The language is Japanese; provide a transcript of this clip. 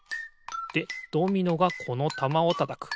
でドミノがこのたまをたたく。